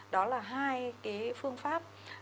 đó là hai cái phương pháp